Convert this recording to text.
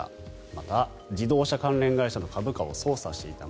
また、自動車関連会社の株価を操作していた。